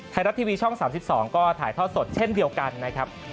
ไทยรัฐทีวีช่อง๓๒ก็ถ่ายทอดสดเช่นเดียวกันนะครับ